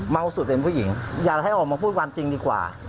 สุดเป็นผู้หญิงอยากให้ออกมาพูดความจริงดีกว่า